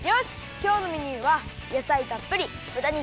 きょうのメニューはやさいたっぷりぶた肉